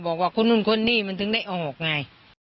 บอกว่าขนุกคนนี้มันได้ออกไง